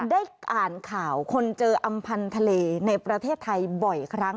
ได้อ่านข่าวคนเจออำพันธ์ทะเลในประเทศไทยบ่อยครั้ง